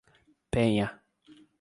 Penha